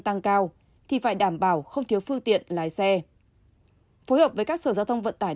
tăng cao thì phải đảm bảo không thiếu phương tiện lái xe phối hợp với các sở giao thông vận tải